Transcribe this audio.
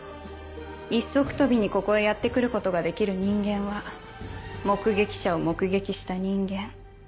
一足飛びにここへやって来ることができる人間は目撃者を目撃した人間。